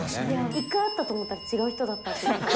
一回会ったと思ったら違う人だったとか。